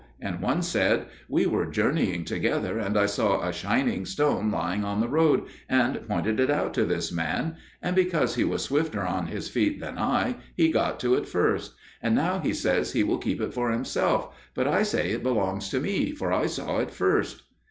And one said, "We were journeying together, and I saw a shining stone lying in the road, and pointed it out to this man; and because he was swifter on his feet than I, he got to it first. And now he says he will keep it for himself, but I say it belongs to me, for I saw it first."